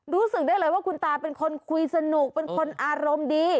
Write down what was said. รู้สึกได้เลยว่าคุณตาเป็นคนคุยสนุกเป็นคนอารมณ์ดี